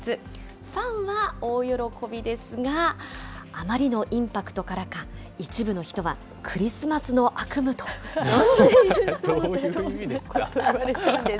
ファンは大喜びですが、あまりのインパクトからか、一部の人は、クリスマスの悪夢と呼んでいるそうです。